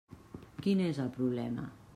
Quin és el problema?